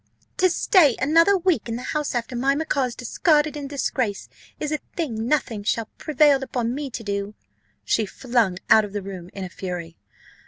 "To stay another week in the house after my macaw's discarded in disgrace is a thing nothing shall prevail upon me to do." She flung out of the room in a fury.